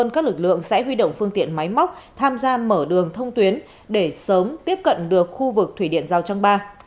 các lực lượng sẽ huy động phương tiện máy móc tham gia mở đường thông tuyến để sớm tiếp cận được khu vực thủy điện giao trang ba